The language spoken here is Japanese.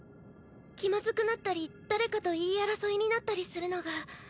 気まずくなったり誰かと言い争いになったりするのが。